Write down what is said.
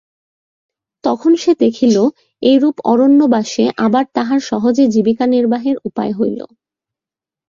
তখন সে দেখিল, এইরূপ অরণ্যবাসে আবার তাহার সহজে জীবিকানির্বাহের উপায় হইল।